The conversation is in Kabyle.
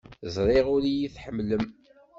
Ẓriɣ ur iyi-tḥemmlem.